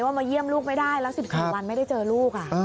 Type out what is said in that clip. มาเยี่ยมลูกไม่ได้แล้ว๑๔วันไม่ได้เจอลูก